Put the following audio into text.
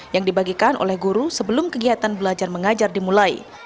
yang dibagikan oleh guru sebelum kegiatan belajar mengajar dimulai